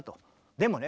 でもね